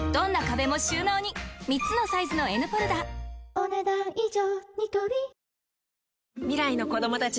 お、ねだん以上。